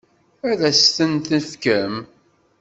Ad asent-ten-tefkem?